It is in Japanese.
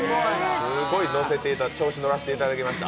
すごい調子乗らせていただきました。